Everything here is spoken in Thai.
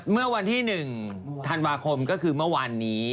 เมื่อวันที่๑ธันวาคมก็คือเมื่อวานนี้